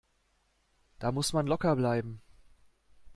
Da muss man locker bleiben.